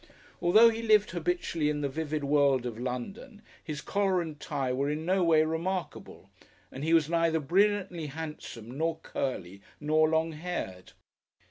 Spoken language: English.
Although he lived habitually in the vivid world of London, his collar and tie were in no way remarkable, and he was neither brilliantly handsome nor curly nor long haired.